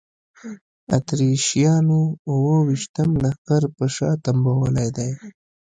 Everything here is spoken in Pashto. اتریشیانو اوه ویشتم لښکر په شا تنبولی دی.